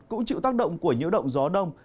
cũng chịu tác động của nhiễu động gió đông